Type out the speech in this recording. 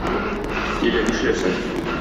Тиле нишләсен?